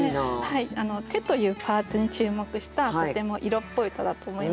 手というパーツに注目したとても色っぽい歌だと思いました。